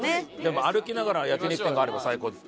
歩きながら焼肉店があれば最高です。